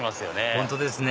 本当ですね